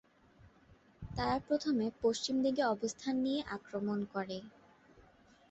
তারা প্রথমে পশ্চিম দিকে অবস্থান নিয়ে আক্রমণ করে।